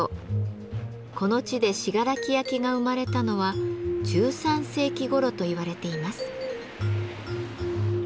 この地で信楽焼が生まれたのは１３世紀ごろと言われています。